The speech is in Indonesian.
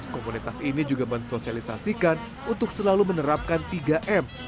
komunitas ini juga mensosialisasikan untuk selalu menerapkan tiga m